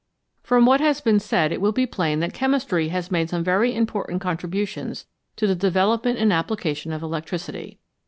From what has been said, it will be plain that chemistry has made some very important contributions to the development and application of electricity.